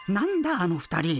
あの２人。